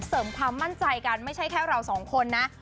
เสริมความมั่นใจกันไม่ใช่แค่เราสองคนนะ